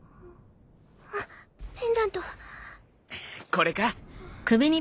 これか？